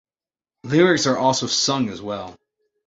Lyrics are also sung as well.